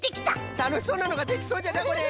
たのしそうなのができそうじゃなこれ。